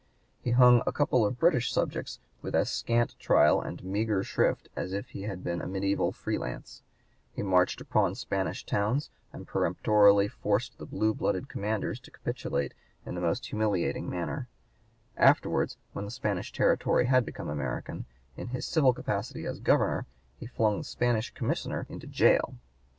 He hung a couple of British subjects with as scant trial and meagre shrift as if he had been a mediæval free lance; he marched upon Spanish towns and peremptorily forced the blue blooded commanders to capitulate in the most humiliating manner; afterwards, when the Spanish territory had become American, in his civil capacity as Governor, he flung the Spanish Commissioner into jail.